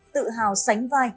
tự hào sánh vai